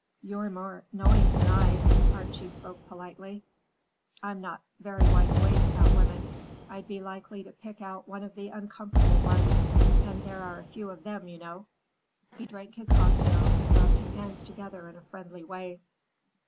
"You're more knowing than I." Archie spoke politely. "I'm not very wide awake about women. I'd be likely to pick out one of the uncomfortable ones—and there are a few of them, you know." He drank his cocktail and rubbed his hands together in a friendly way.